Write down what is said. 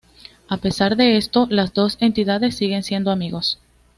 A pesar de esto, las dos entidades siguen siendo amigos.